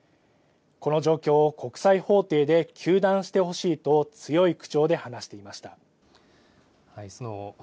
この状況を国際法廷で糾弾してほしいと強い口調で話していました。